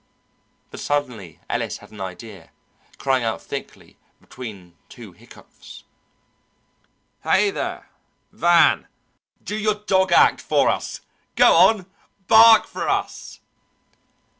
But suddenly Ellis had an idea, crying out thickly, between two hiccoughs: "Hey, there, Van, do your dog act for us! Go on! Bark for us!"